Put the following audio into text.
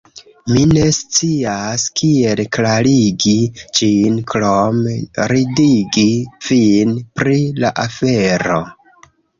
Mi ne scias kiel klarigi ĝin krom ridigi vin pri la afero